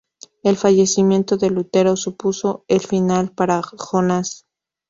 El fallecimiento de Lutero supuso el final para Jonas.